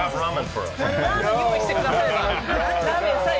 ラーメンさえ用意してくだされば。